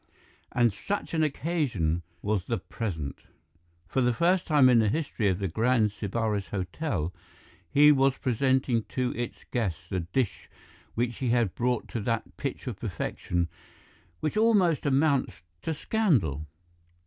And such an occasion was the present. For the first time in the history of the Grand Sybaris Hotel, he was presenting to its guests the dish which he had brought to that pitch of perfection which almost amounts to scandal.